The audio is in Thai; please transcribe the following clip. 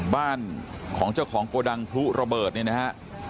บ้านของเจ้าของโกดังพลุระเบิดเนี่ยนะฮะ